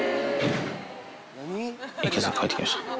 池崎、帰ってきました。